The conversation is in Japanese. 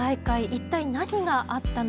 一体何があったのか。